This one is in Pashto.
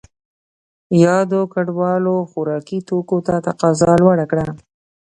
یادو کډوالو خوراکي توکو ته تقاضا لوړه کړه.